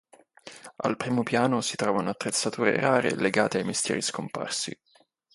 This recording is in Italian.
Al primo piano si trovano attrezzature rare legate ai mestieri scomparsi.